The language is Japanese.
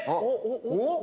おっ！